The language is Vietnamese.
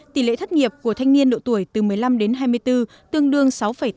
tỷ lệ thất nghiệp của thanh niên độ tuổi từ một mươi năm đến hai mươi bốn tương đương sáu tám